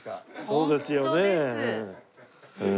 そうですよねうん。